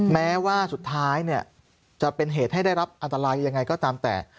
แม้ว่าสุดท้ายจะเป็นเหตุให้ได้รับอันตรายยังไงก็ตามแต่